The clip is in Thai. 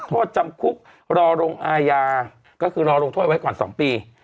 โทษจำคุกรอลงอาญาก็คือรอลงโทษไว้ก่อน๒ปี